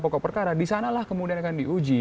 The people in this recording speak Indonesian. pokok perkara disanalah kemudian akan diuji